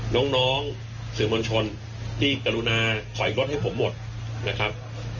น้องสื่อมวลชนที่กรุณาถอยรถให้ผมหมดนะครับ